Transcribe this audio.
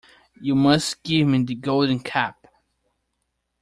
You must give me the Golden Cap.